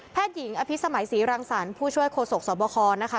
หญิงอภิษมัยศรีรังสรรค์ผู้ช่วยโฆษกสวบคนะคะ